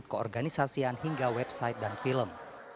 keorganisasian hingga website dan film